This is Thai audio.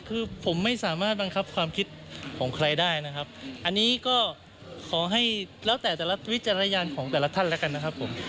เราทำรู้สึกยังไง